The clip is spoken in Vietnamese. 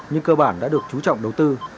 nhưng cơ bản đã được chú trọng đầu tư